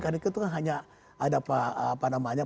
karena itu kan hanya ada pak